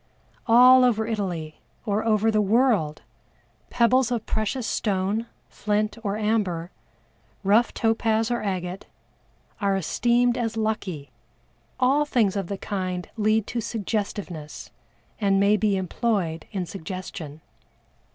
All over Italy, or over the world, pebbles of precious stone, flint or amber, rough topaz or agate, are esteemed as lucky; all things of the kind lead to suggestiveness, and may be employed in suggestion.